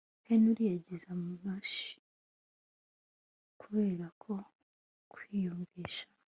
Henry yagize emotion kubera ko kwiyumvisha